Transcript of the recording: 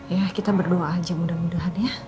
ya kita berdoa aja mudah mudahan ya